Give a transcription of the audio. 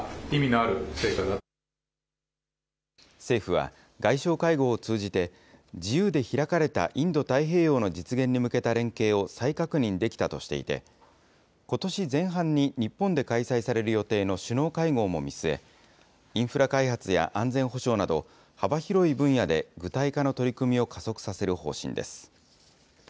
政府は、外相会合を通じて、自由で開かれたインド太平洋の実現に向けた連携を再確認できたとしていて、ことし前半に日本で開催される予定の首脳会合も見据え、インフラ開発や安全保障など、幅広い分野で具体化の取り組みを加速させる方針です。